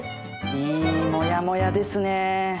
いいモヤモヤですね。